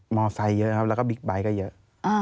ไฟเยอะครับแล้วก็บิ๊กไบท์ก็เยอะ